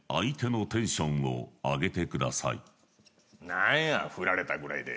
何やフラれたぐらいで。